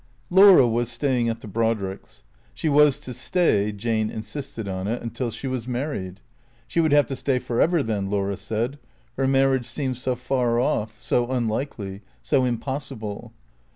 XL LAUEA was staying at the Brodricks. She was to stay, Jane insisted on it, until she was married. She would have to stay for ever then, Laura said. Her marriage seemed so far off, so unlikely, so impossible.